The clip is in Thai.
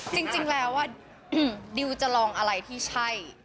จริงแล้วดิวจะลองอะไรที่ใช่